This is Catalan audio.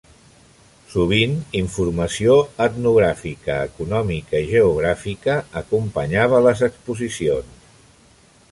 Sovint, informació etnogràfica, econòmica i geogràfica acompanyava les exposicions.